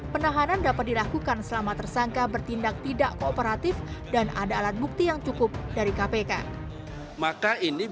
penahanan dapat dilakukan selama tersangka bertindak tidak kooperatif dan ada alat bukti yang cukup dari kpk